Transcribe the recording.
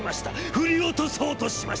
振り落とそうとしました。